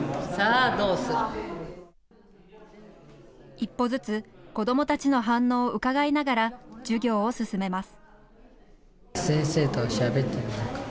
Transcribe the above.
一歩ずつ、子どもたちの反応をうかがいながら授業を進めます。